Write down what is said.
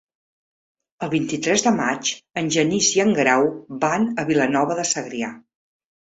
El vint-i-tres de maig en Genís i en Grau van a Vilanova de Segrià.